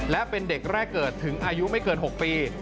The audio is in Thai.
และเป็นเด็กแรกเกิดถึงอายุไม่เกิน๖ปี